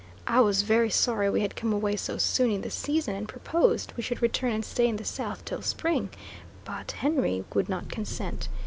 I was very sorry we had come away so soon in the season, and proposed that we should return and stay in the south till spring; but Henry would not consent.